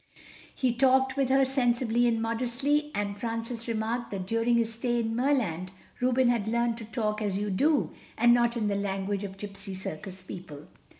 He talked with her, sensibly and modestly, and Francis remarked that during his stay in Merland Reuben had learned to talk as you do, and not in the language of gypsy circus people.